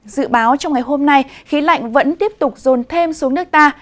dự báo trong ngày hôm nay khí lạnh vẫn tiếp tục rồn thêm xuống nước ta